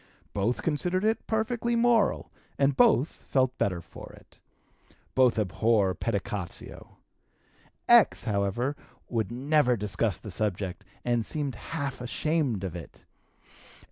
Both considered it perfectly moral, and both, felt better for it. Both abhor pedicatio. X., however, would never discuss the subject, and seemed half ashamed of it.